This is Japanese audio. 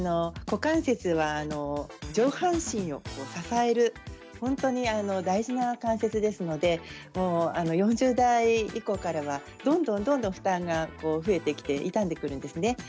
股関節は上半身を支える本当に大事な関節ですので４０代以降からはどんどんどんどん負担が増えてきて痛んでくるんですね。